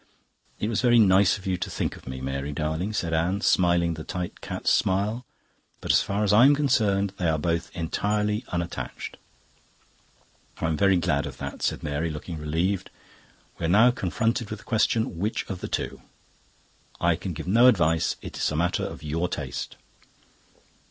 "It was very nice of you to think of me, Mary darling," said Anne, smiling the tight cat's smile. "But as far as I'm concerned, they are both entirely unattached." "I'm very glad of that," said Mary, looking relieved. "We are now confronted with the question: Which of the two?" "I can give no advice. It's a matter for your taste."